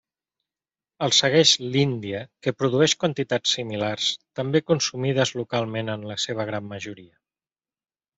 El segueix l'Índia, que produeix quantitats similars, també consumides localment en la seva gran majoria.